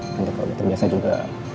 nanti kalau gitu biasa juga